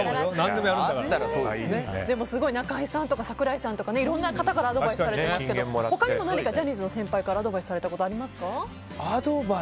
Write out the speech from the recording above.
でも中居さんとか櫻井さんとかねいろんな方からアドバイスされてますけど他にも何かジャニーズの先輩からアドバイスですか。